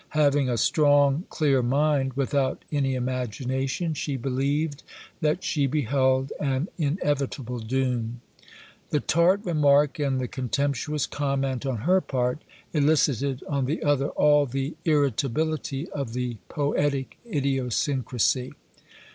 Having a strong, clear mind, without any imagination, she believed that she beheld an inevitable doom. The tart remark and the contemptuous comment on her part, elicited, on the other, all the irritability of the poetic idiosyncrasy.